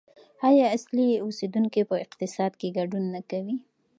آیا اصلي اوسیدونکي په اقتصاد کې ګډون نه کوي؟